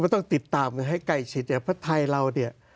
ต้องติดตามให้ใกล้ชิดเพราะไทยเรา